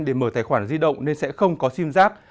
để mở tài khoản di động nên sẽ không có sim giác